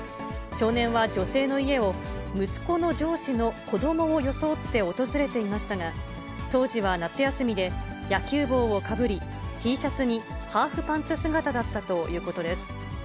少年は女性の家を、息子の上司の子どもを装って訪れていましたが、当時は夏休みで、野球帽をかぶり、Ｔシャツにハーフパンツ姿だったということです。